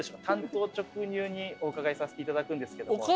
単刀直入にお伺いさせていただくんですけども。